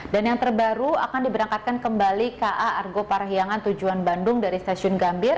dan yang terbaru akan diberangkatkan kembali ka argo parahiangan tujuan bandung dari stasiun gambir